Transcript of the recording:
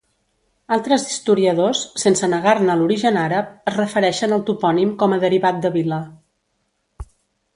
Altres historiadors -sense negar-ne l'origen àrab- es refereixen al topònim com a derivat de vila.